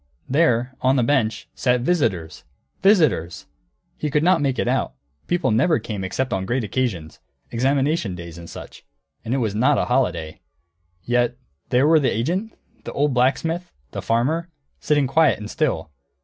There, on a bench, sat visitors. Visitors! He could not make it out; people never came except on great occasions, examination days and such. And it was not a holiday. Yet there were the agent, the old blacksmith, the farmer, sitting quiet and still.